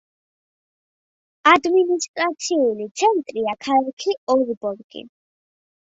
ადმინისტრაციული ცენტრია ქალაქი ოლბორგი.